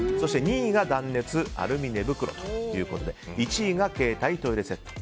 ２位が断熱アルミ寝袋で１位が携帯トイレセット。